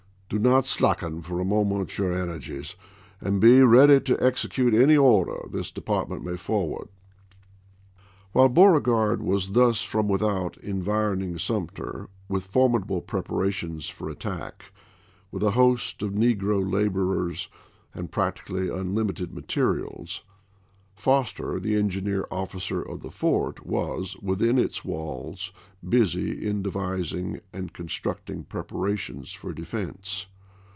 " Do not slacken for a moment your ener ^ilfisl^'!'^' gies, and be ready to execute any order this i., p. 27(3! ' department may forward." While Beauregard was thus from without envi roning Sumter with formidable preparations for attack, with a host of negro laborers and practi cally unlimited materials, Foster, the engineer officer of the fort, was, within its walls, busy in devising and constructing preparations for de fense.